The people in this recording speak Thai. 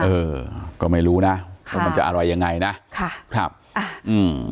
เออก็ไม่รู้นะค่ะว่ามันจะอะไรยังไงนะค่ะครับอ่าอืม